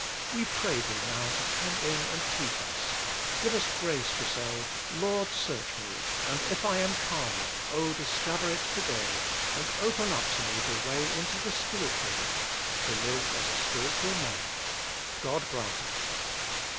We pray Thee now to come in and teach us. Give us grace to say, *Lord search me, and if I am carnal, oh, discover it today, and open up to me the way into the spiritual life, to live as a spiritual man. 'God grant it."